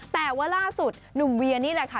แต่ว่าล่าสุดหนุ่มเวียนี่แหละค่ะ